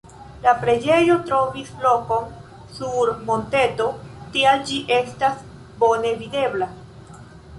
La preĝejo trovis lokon sur monteto, tial ĝi estas bone videbla.